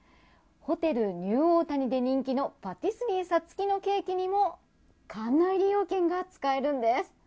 ホテルニューオータニで人気のパティスリーサツキのケーキにも館内利用券が使えるんです。